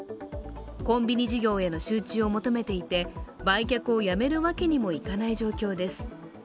コンビニ事業への集中を求めていて、売却をやめるわけにもいかない状況です。